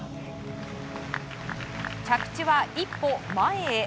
着地は１歩前へ。